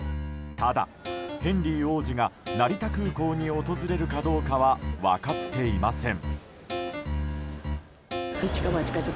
ただ、ヘンリー王子が成田空港に訪れるかどうかは分かっていません。